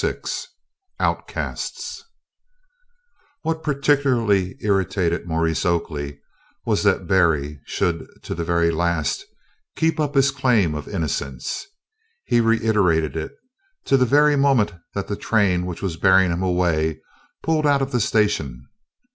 VI OUTCASTS What particularly irritated Maurice Oakley was that Berry should to the very last keep up his claim of innocence. He reiterated it to the very moment that the train which was bearing him away pulled out of the station.